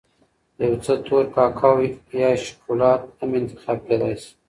یو څه تور کاکاو یا شکولات هم انتخاب کېدای شي.